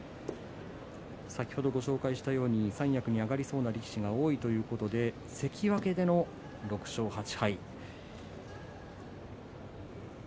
先ほどご紹介したように三役に上がりそうな力士が多いということですと関脇でも６勝８敗。